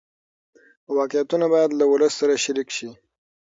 واقعیتونه باید له ولس سره شریک شي.